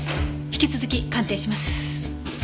引き続き鑑定します。